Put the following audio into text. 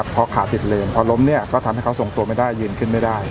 พอขาผิดเลนพอล้มเนี่ยก็ทำให้เขาส่งตัวไม่ได้ยืนขึ้นไม่ได้